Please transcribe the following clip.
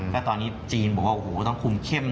แต่ตอนนี้จีนบอกว่าโอ้โหต้องคุมเข้มหน่อย